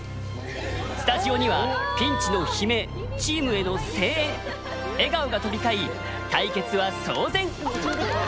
スタジオにはピンチの悲鳴チームへの声援笑顔が飛び交い対決は騒然！